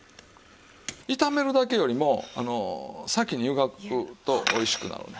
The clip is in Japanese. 炒めるだけよりも先に湯がくとおいしくなるね。